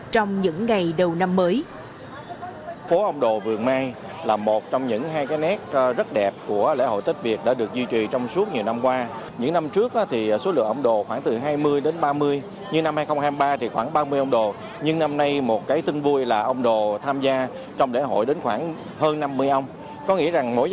trong những ngày đầu năm mới